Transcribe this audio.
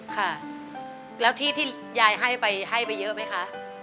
ค่ะแล้วที่ที่ยายให้ไปให้ไปเยอะไหมคะ